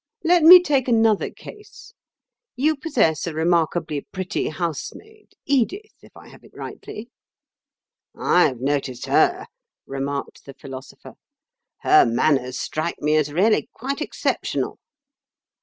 Let me take another case. You possess a remarkably pretty housemaid—Edith, if I have it rightly." "I have noticed her," remarked the Philosopher. "Her manners strike me as really quite exceptional."